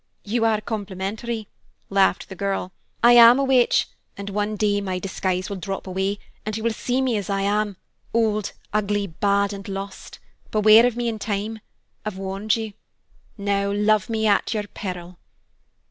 "You are complimentary," laughed the girl. "I am a witch, and one day my disguise will drop away and you will see me as I am, old, ugly, bad and lost. Beware of me in time. I've warned you. Now love me at your peril."